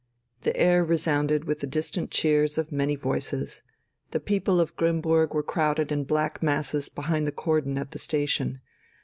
The air resounded with the distant cheers of many voices. The people of Grimmburg were crowded in black masses behind the cordon at the station.